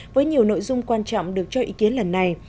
với nhiều nội dung quan trọng được cho ý kiến lần này